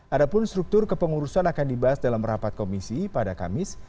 adapun struktur kepengurusan akan dibahas dalam rapat komisi pada kamis